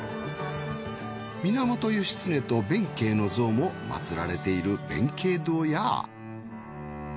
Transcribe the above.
源義経と弁慶の像もまつられている弁慶堂や。